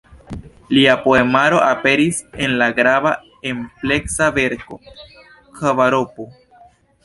Lia poemaro aperis en la grava ampleksa verko "Kvaropo".